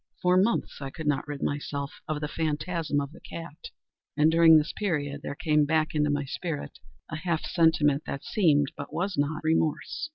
For months I could not rid myself of the phantasm of the cat; and, during this period, there came back into my spirit a half sentiment that seemed, but was not, remorse.